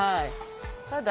ただ。